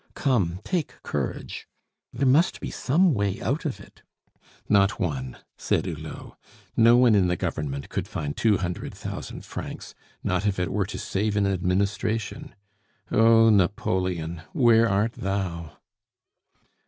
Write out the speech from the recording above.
Come, take courage; there must be some way out of it." "Not one," said Hulot. "No one in the Government could find two hundred thousand francs, not if it were to save an Administration! Oh, Napoleon! where art thou?"